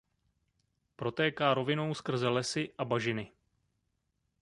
Protéká rovinou skrze lesy a bažiny.